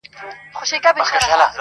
روح مي لا ورک دی، روح یې روان دی.